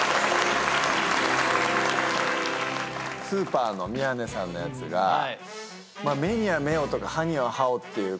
スーパーの宮根さんのやつが目には目をとか歯には歯をって